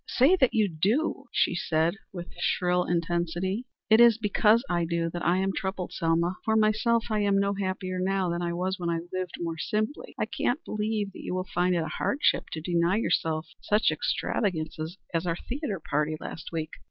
Say that you do," she said, with shrill intensity. "It is because I do see it that I am troubled, Selma. For myself I am no happier now than I was when we lived more simply. I can't believe that you will really find it a hardship to deny yourself such extravagances as our theatre party last week.